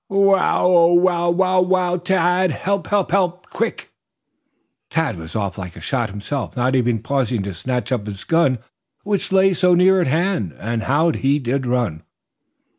"Wow! Ow wow wow! Tad! Help, help, help! Quick!" Tad was off like a shot himself, not even pausing to snatch up his gun which lay so near at hand. And how he did run!